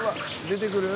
出てくる？